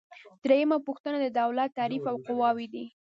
دریمه پوښتنه د دولت تعریف او قواوې دي.